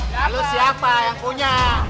terus siapa yang punya